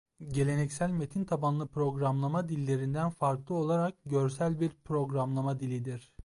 Geleneksel metin tabanlı programlama dillerinden farklı olarak görsel bir programlama dilidir.